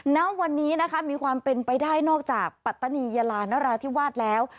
ณวันนี้นะคะมีความเป็นไปได้นอกจากปัตตานียาลานราธิวาสแล้ว